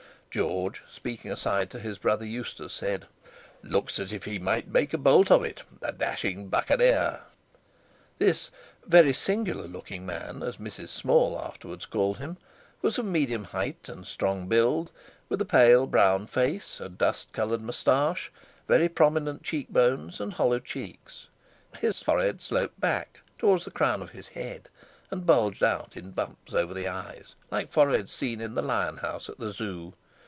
George, speaking aside to his brother, Eustace, said: "Looks as if he might make a bolt of it—the dashing Buccaneer!" This "very singular looking man," as Mrs. Small afterwards called him, was of medium height and strong build, with a pale, brown face, a dust coloured moustache, very prominent cheek bones, and hollow checks. His forehead sloped back towards the crown of his head, and bulged out in bumps over the eyes, like foreheads seen in the Lion house at the Zoo.